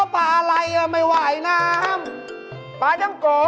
ปลาไม่สบาย